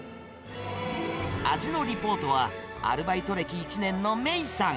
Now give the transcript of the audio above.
味のリポートは、アルバイト歴１年の芽衣さん。